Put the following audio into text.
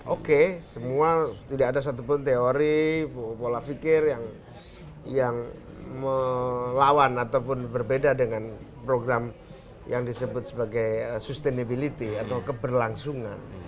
oke semua tidak ada satupun teori pola pikir yang melawan ataupun berbeda dengan program yang disebut sebagai sustainability atau keberlangsungan